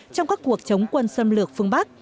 trong các cuộc chống quân xâm lược phương bắc